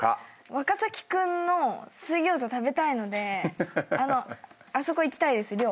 若崎君の水ギョーザ食べたいのであそこ行きたいです寮。